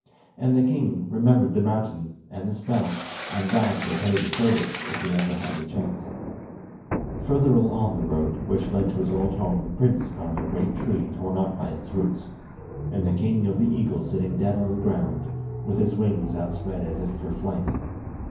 And the king remembered the mountain, and the spell, and vowed to repay the service if he ever had a chance. Further along the road which led to his old home the prince found the great tree torn up by its roots, and the king of the eagles sitting dead on the ground, with his wings outspread as if for flight.